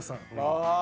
ああ。